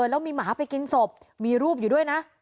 แล้วมีหมาไปกินศพมีรูปอยู่ด้วยนะ